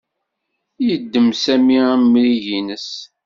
Yeddem Sami amrig-nnes.